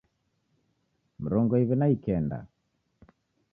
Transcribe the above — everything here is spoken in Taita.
Mrongo iw'i na ikenda